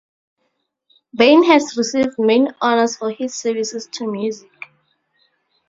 Bain has received many honours for his services to music.